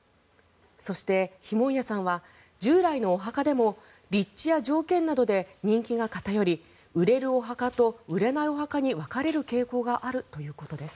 そして、碑文谷さんは従来のお墓でも立地や条件などで人気が偏り売れるお墓と売れないお墓に分かれる傾向があるということです。